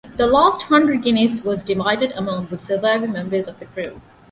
The last hundred guineas was divided among the surviving members of the crew.